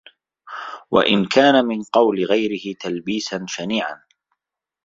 وَإِنْ كَانَ مِنْ قَوْلِ غَيْرِهِ تَلْبِيسًا شَنِيعًا